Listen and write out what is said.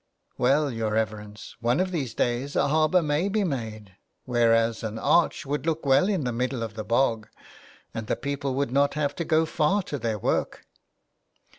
" Well, your reverence, one of these days a harbour may be made, whereas an arch would look well in the middle of the bog, and the people would not have to go far to their work."